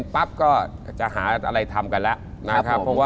ปั๊บก็จะหาอะไรทำกันแล้วนะครับ